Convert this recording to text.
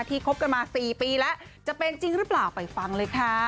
คบกันมา๔ปีแล้วจะเป็นจริงหรือเปล่าไปฟังเลยค่ะ